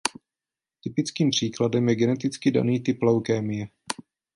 Typickým příkladem je geneticky daný typ leukémie.